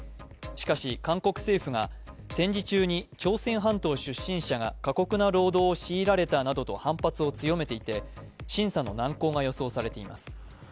しかし、韓国政府が戦時中に朝鮮半島出身者が過酷な労働を強いられたなどと反発を強めていて審査の難航が予想されています。